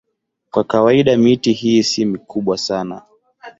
Kwa kawaida miti hii si mikubwa sana.